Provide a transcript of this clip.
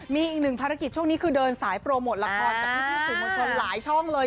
มีอีกหนึ่งภารกิจช่วงนี้คือเดินสายโปรโมทละครกับพี่สื่อมวลชนหลายช่องเลย